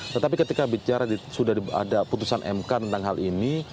tetapi ketika bicara sudah ada putusan mk tentang hal ini